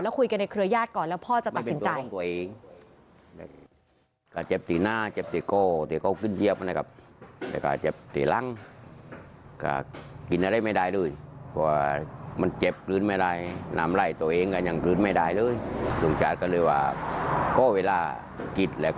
คุยกันในเครือญาติก่อนแล้วพ่อจะตัดสินใจ